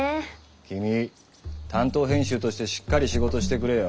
君担当編集としてしっかり仕事してくれよ。